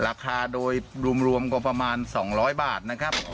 ราคาโดยรวมก็ประมาณ๒๐๐บาทนะครับ